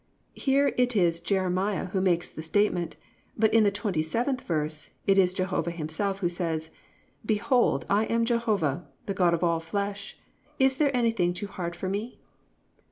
"+ Here it is Jeremiah who makes the statement, but in the 27th verse it is Jehovah Himself who says: +"Behold, I am Jehovah, the God of all flesh: is there anything too hard for me?"